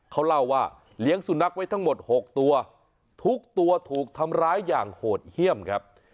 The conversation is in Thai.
เขาเล่าว่าเลี้ยงสุนัขไว้ทั้งหมด๖ตัวทุกตัวถูกทำร้ายอย่างโหดเยี่ยมครับ